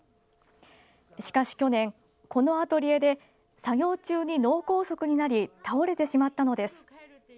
しかし去年、このアトリエで作業中に脳梗塞になり倒れてしまったのです。